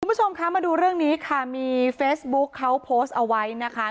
คุณผู้ชมคะมาดูเรื่องนี้ค่ะมีเฟซบุ๊คเขาโพสต์เอาไว้นะคะ